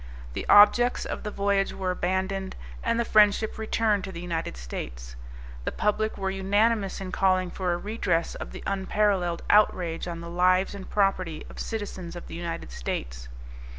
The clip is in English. The objects of the voyage were abandoned, and the Friendship returned to the United States. The public were unanimous in calling for a redress of the unparalleled outrage on the lives and property of citizens of the United States.